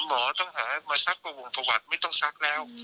หมอต้องหามาซักประวงประวัติไม่ต้องซักแล้ว